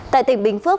tại tỉnh bình phước